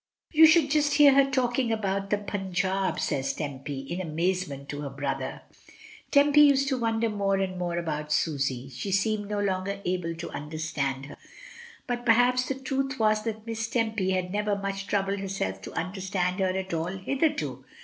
"You should just hear her talking about the Punjaub," says Tempy, in amazement to her brother. DAY BY DAY. 255 Tempy used to wonder more and more about Susy. She seemed no longer able to understand her. But perhaps the truth was that Miss Tempy had never much troubled herself to understand her at all hitherto.